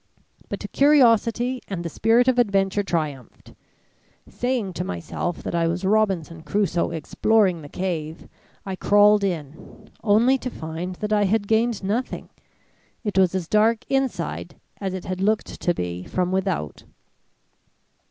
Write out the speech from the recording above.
But curiosity and the spirit of adventure triumphed. Saying to myself that I was Robinson Crusoe exploring the cave, I crawled in, only to find that I had gained nothing. It was as dark inside as it had looked to be from without.